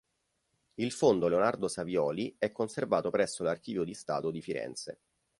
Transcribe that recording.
Il fondo "Leonardo Savioli" è conservato presso l'Archivio di Stato di Firenze.